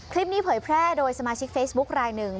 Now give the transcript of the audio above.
เผยแพร่โดยสมาชิกเฟซบุ๊คลายหนึ่ง